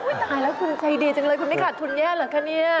ตายแล้วคุณใจดีจังเลยคุณไม่ขาดทุนแย่เหรอคะเนี่ย